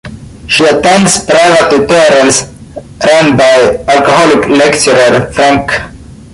She attends private tutorials run by alcoholic lecturer Frank.